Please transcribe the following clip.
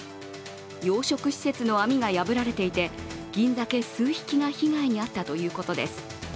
養殖施設の網が破られていて銀ざけ数匹が被害に遭ったということです。